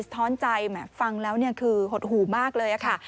ธอนใจมันฟังแล้วคือหดหูมากเลยค่ะ